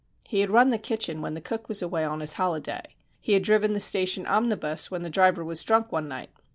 He had run the kitchen when the cook was away on his holiday. He had driven the station omnibus when the driver was drunk one night.